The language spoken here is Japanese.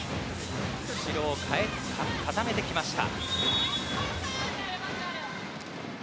後ろを固めてきました。